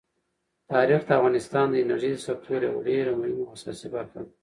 تاریخ د افغانستان د انرژۍ د سکتور یوه ډېره مهمه او اساسي برخه ده.